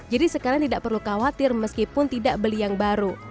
jadi sekarang tidak perlu khawatir meskipun tidak beli yang baru